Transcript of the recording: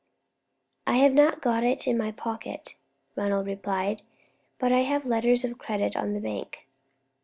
"I have not got it in my pocket," Ronald replied, "but I have letters of credit on the bank.